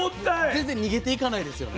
全然逃げていかないですよね？